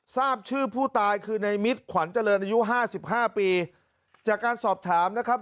ทราบชื่อผู้ตายคือในมิตรขวัญเจริญอายุห้าสิบห้าปีจากการสอบถามนะครับ